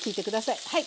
はい。